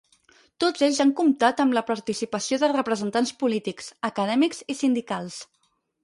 Tots ells han comptat amb la participació de representants polítics, acadèmics i sindicals.